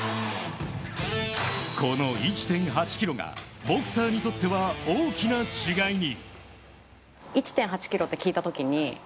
この１．８ｋｇがボクサーにとっては大きな違いに。